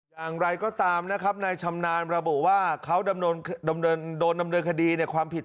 อย่างไรก็ตามนะครับนายชำนาญระบุว่าเขาโดนดำเนินคดีในความผิด